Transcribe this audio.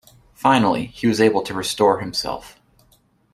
Finally, he was able to restore himself.